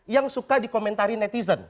yang suka dikomentari netizen